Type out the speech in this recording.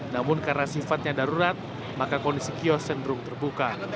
namun karena sifatnya darurat maka kondisi kios cenderung terbuka